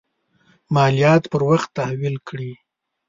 مالیات پر وخت تحویل کړي.